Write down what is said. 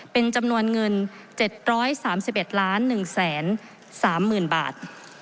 เป็นจำนวนเงิน๗๓๑ล้าน๑แสน๓หมื่นบาท